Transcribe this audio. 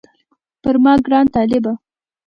پر ما ګران طالبه